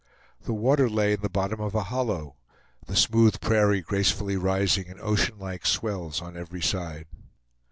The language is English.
The water lay in the bottom of a hollow, the smooth prairie gracefully rising in oceanlike swells on every side.